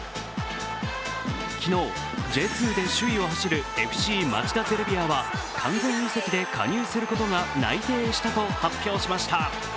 昨日、Ｊ２で首位を走るＦＣ町田ゼルビアは完全移籍で加入することが内定したと発表しました。